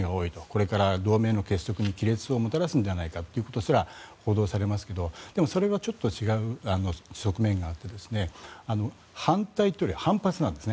これから加盟国の結束に亀裂をもたらすのではということすら報道されますけれどでも、それはちょっと違う側面があって反対というより反発なんです。